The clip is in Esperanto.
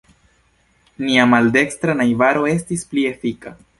Nia maldekstra najbaro estis pli efika.